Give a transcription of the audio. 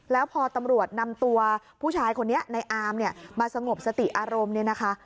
แล้วพอตำรวจนำตัวผู้ชายคนนี้ในอามเนี่ยมาสงบสติอารมณ์เนี่ยนะคะ